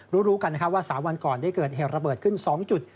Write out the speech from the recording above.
รู้กันนะครับว่า๓วันก่อนได้เกิดเหตุระเบิดขึ้น๒จุด